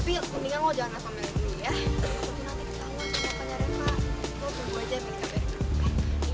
pengen kabarin apa